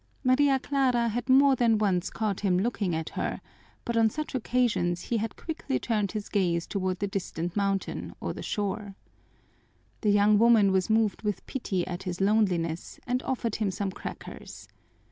Maria Clara had more than once caught him looking at her, but on such occasions he had quickly turned his gaze toward the distant mountain or the shore. The young woman was moved with pity at his loneliness and offered him some crackers.